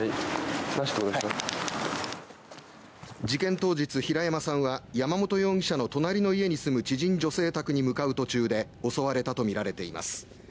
事件当日、平山さんは山本容疑者の隣の家に住む知人女性宅に向かう途中で襲われたとみられています。